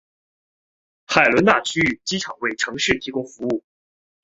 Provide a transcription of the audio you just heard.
海伦娜区域机场为城市提供服务。